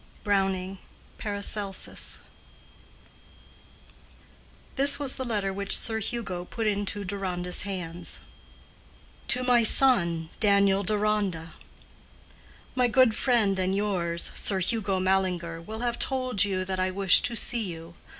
—BROWNING: Paracelsus. This was the letter which Sir Hugo put into Deronda's hands:, TO MY SON, DANIEL DERONDA. My good friend and yours, Sir Hugo Mallinger, will have told you that I wish to see you.